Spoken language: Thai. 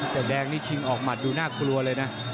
แต่แดงนี่ชิงออกหมัดดูน่ากลัวเลยนะ